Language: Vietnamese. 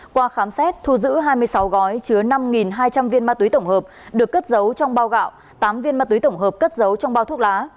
qua khám xét thu giữ hai mươi sáu gói chứa năm hai trăm linh viên ma túy tổng hợp được cất giấu trong bao gạo tám viên ma túy tổng hợp cất giấu trong bao thuốc lá